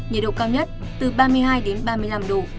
nhiệt độ cao nhất từ ba mươi hai đến ba mươi năm độ